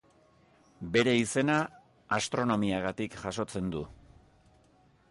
Bere izena astronomiagatik jasotzen du.